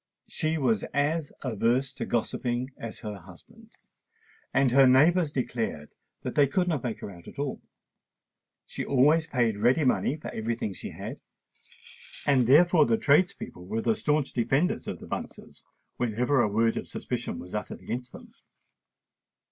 She was as averse to gossiping as her husband; and her neighbours declared that they could not make her out at all. She always paid ready money for every thing she had; and therefore the tradespeople were the stanch defenders of the Bunces whenever a word of suspicion was uttered against them.